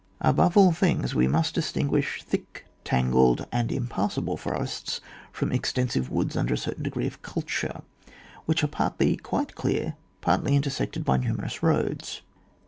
Above all things we must distinguish thick tangled and impassable forests from extensive woods under a certain degree of culture, which are partly quite clear, partly intersected by numerous roads.